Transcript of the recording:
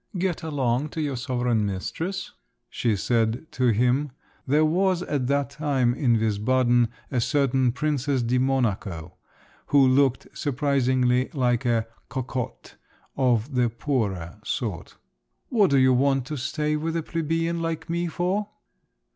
"Get along to your sovereign mistress," she said to him (there was at that time in Wiesbaden a certain princess di Monaco, who looked surprisingly like a cocotte of the poorer sort); "what do you want to stay with a plebeian like me for?"